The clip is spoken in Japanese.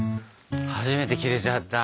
初めて切れちゃった。